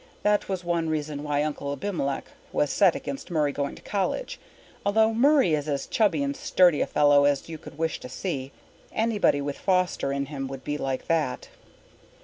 That was one reason why Uncle Abimelech was set against Murray going to college, although Murray is as chubby and sturdy a fellow as you could wish to see. Anybody with Foster in him would be that.